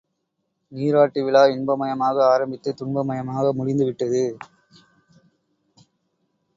நீராட்டு விழா இன்பமயமாக ஆரம்பித்துத் துன்பமயமாக முடிந்துவிட்டது.